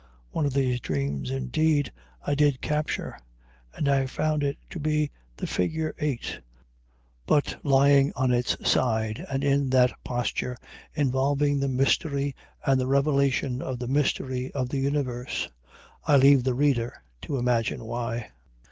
One of these dreams, indeed, I did capture, and I found it to be the figure 8, but lying on its side, and in that posture involving the mystery and the revelation of the mystery of the universe. I leave the reader to imagine why.